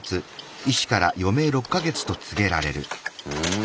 うん。